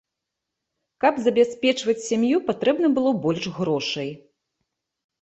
Каб забяспечваць сям'ю, патрэбна было больш грошай.